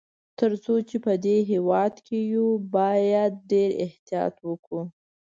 تر څو چي په دې هیواد کي یو، باید ډېر احتیاط وکړو.